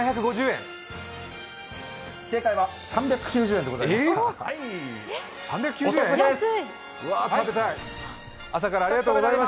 ３９０円でございます。